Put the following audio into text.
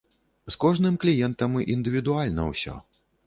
З кожным кліентам індывідуальна ўсё.